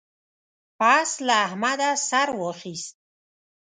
اس له احمده سر واخيست.